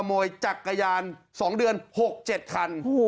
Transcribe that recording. โมยจักรยาน๒เดือน๖๗คัน